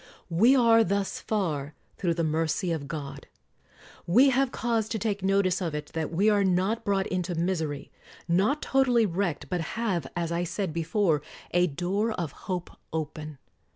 We are thus far, through the mercy of God. We have cause to take notice of it that we are not brought into misery, not totally wrecked, but have, as I 134 CROMWELL said before, a door of hope open.